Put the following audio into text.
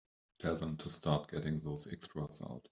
Tell them to start getting those extras out.